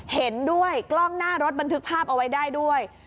เห็นด้วยกล้องหน้ารถบันทึกภาพเอาไว้ได้ด้วย